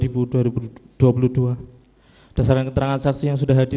berdasarkan keterangan saksi yang sudah hadir